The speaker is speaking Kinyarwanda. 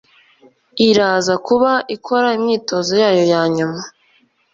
iraza kuba ikora imyitozo yayo ya nyuma